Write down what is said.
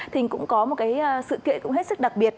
thì cũng có một sự kiện hết sức đặc biệt